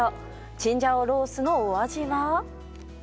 チンジャオロースのお味は。